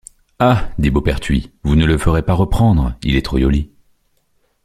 Ha! dit la Beaupertuys, vous ne le ferez pas rependre ; il est trop ioly.